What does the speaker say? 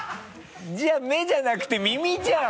じゃあ目じゃなくて耳じゃん！